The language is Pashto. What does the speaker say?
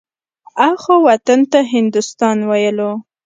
اخوا وطن ته هندوستان ويلو.